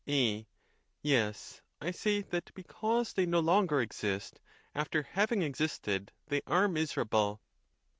A. Yes; I say that because they no longer exist after having existed they are miserable.